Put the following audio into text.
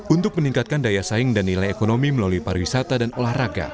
untuk meningkatkan daya saing dan nilai ekonomi melalui pariwisata dan olahraga